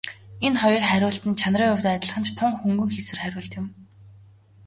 Энэ хоёр хариулт нь чанарын хувьд адилхан ч тун хөнгөн хийсвэр хариулт юм.